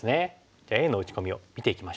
じゃあＡの打ち込みを見ていきましょう。